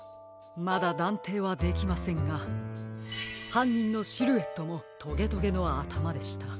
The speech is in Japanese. まだだんていはできませんがはんにんのシルエットもトゲトゲのあたまでした。